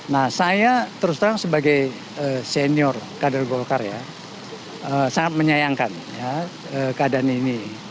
nah saya terus terang sebagai senior kader golkar ya sangat menyayangkan keadaan ini